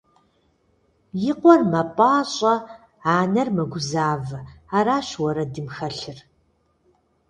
И къуэр мэпӀащӀэ, анэр мэгузавэ – аращ уэрэдым хэлъыр.